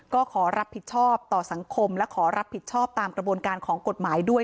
ก็ขอรับผิดชอบต่อสังคมและขอรับผิดชอบตามกระบวนการของกฎหมายด้วย